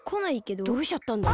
どうしちゃったんだろう。